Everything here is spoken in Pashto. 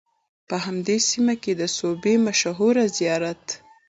په همدې سیمه کې د سوبۍ مشهور زیارت